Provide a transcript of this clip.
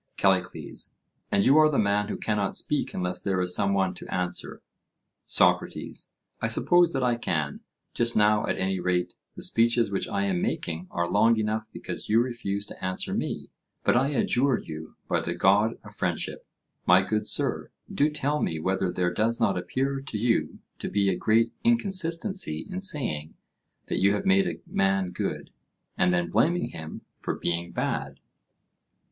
CALLICLES: And you are the man who cannot speak unless there is some one to answer? SOCRATES: I suppose that I can; just now, at any rate, the speeches which I am making are long enough because you refuse to answer me. But I adjure you by the god of friendship, my good sir, do tell me whether there does not appear to you to be a great inconsistency in saying that you have made a man good, and then blaming him for being bad?